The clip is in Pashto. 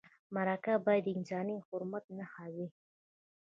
مرکه باید د انساني حرمت نښه وي.